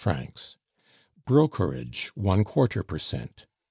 5 Brokerage, one quarter per cent.